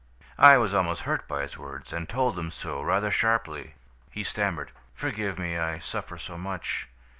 "I was almost hurt by his words, and told him so, rather sharply. He stammered: "'Forgive me. I suffer so much!'